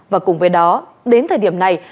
và cùng với đó đến thời điểm này